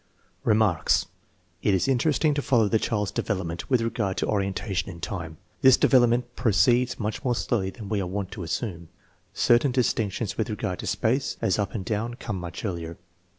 Remarks. It is interesting to follow the child's develop ment with regard to orientation in time. This develop ment proceeds much more slowly than we are wont to assume. Certain distinctions with regard to space, as up and down, come much earlier.